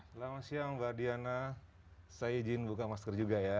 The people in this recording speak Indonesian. selamat siang mbak diana saya izin buka masker juga ya